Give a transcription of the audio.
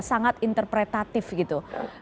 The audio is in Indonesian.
sangat interpretatif gitu